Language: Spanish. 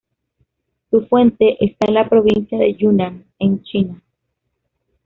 Su fuente está en la provincia de Yunnan, en China.